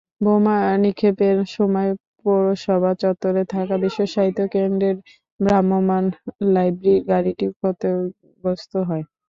বোমা নিক্ষেপের সময় পৌরসভা চত্বরে থাকা বিশ্বসাহিত্য কেন্দ্রের ভ্রাম্যমাণ লাইব্রেরির গাড়িটি ক্ষতিগ্রস্ত হয়।